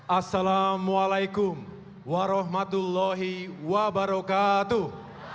assalamualaikum warahmatullahi wabarakatuh